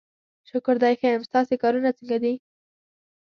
شکر دی ښه یم، ستاسې کارونه څنګه دي؟